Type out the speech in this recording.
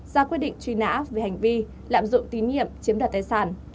ra quyết định truy nã về hành vi lạm dụng tín nhiệm chiếm đoạt tài sản